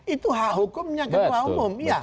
itu hak hukumnya ketua umum